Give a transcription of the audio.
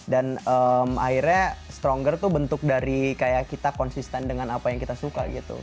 dan akhirnya stronger tuh bentuk dari kayak kita konsisten dengan apa yang kita suka gitu